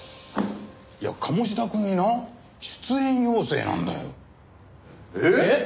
いや鴨志田くんにな出演要請なんだよ。えっ？